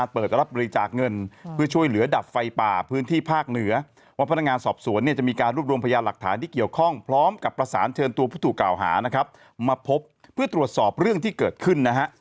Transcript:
เป็นตัวผู้ถูกกล่าวหานะครับมาพบเพื่อตรวจสอบเรื่องที่เกิดขึ้นนะฮะ